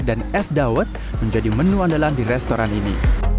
dan es dawet menjadi menu andalan di restoran ini